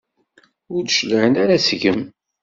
Ur d-cliɛen ara seg-m?